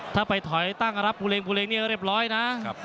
ถ้าไปถอยตั้งรับบูเรงนี่เรียบร้อยนะ